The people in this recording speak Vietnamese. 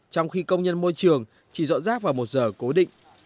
trong khi công nhân môi trường chỉ dọn rác vào một giờ cố định